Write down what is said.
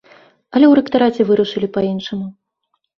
Але ў рэктараце вырашылі па-іншаму.